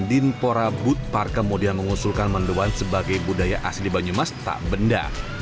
dinpora butpar kemudian mengusulkan mendoan sebagai budaya asli banyumas tak benda